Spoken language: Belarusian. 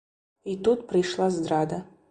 І тут прыйшла здрада.